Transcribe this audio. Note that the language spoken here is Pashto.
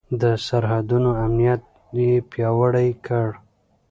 د سرحدونو امنيت يې پياوړی کړ.